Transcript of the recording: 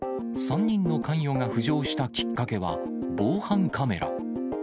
３人の関与が浮上したきっかけは防犯カメラ。